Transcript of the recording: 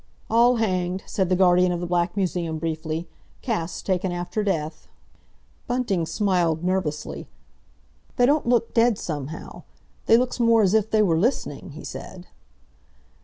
"All hanged!" said the guardian of the Black Museum briefly. "Casts taken after death." Bunting smiled nervously. "They don't look dead somehow. They looks more as if they were listening," he said.